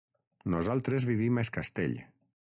Nosaltres vivim a Es Castell.